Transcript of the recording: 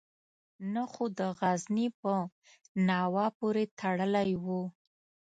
نه خو د غزني په ناوه پورې تړلی وو.